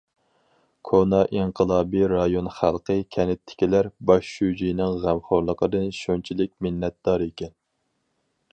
كونا ئىنقىلابىي رايون خەلقى، كەنتتىكىلەر باش شۇجىنىڭ غەمخورلۇقىدىن شۇنچىلىك مىننەتدار ئىكەن.